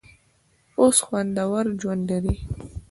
اوس خوندور ژوند لري.